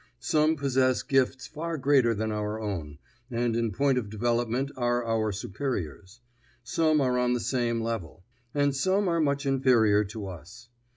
Some possess gifts far greater than our own, and in point of development are our superiors; some are on the same level; and some are much inferior to us.